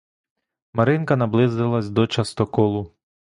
Маринка наблизилась до частоколу.